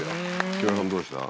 木村さんどうでした？